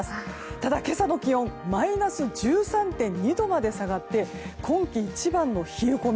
ただ今朝の気温はマイナス１３．２度まで下がって今季一番の冷え込み。